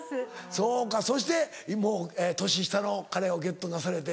そうかそしてもう年下の彼をゲットなされて。